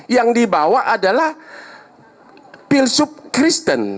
yang dibawa adalah pilsub kristen